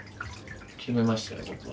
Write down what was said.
決めました？